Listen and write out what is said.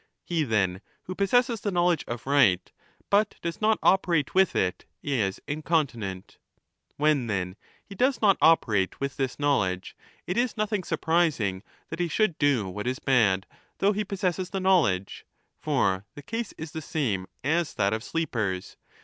He then who possesses the knowledge of right, but does not operate with it, is in 15 continent. When, then, he does not operate with this knowledge, it is nothing surprising that he should do what is bad, though he possesses the knowledge. For the case is the same as that of sleepers.